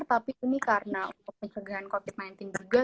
tapi ini karena untuk pencegahan covid sembilan belas juga